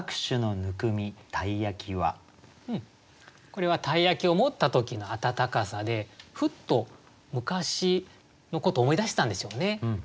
これは鯛焼を持った時の温かさでふっと昔のことを思い出したんでしょうね。